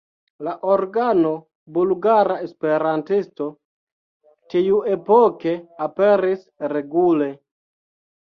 La organo "Bulgara Esperantisto" tiuepoke aperis regule.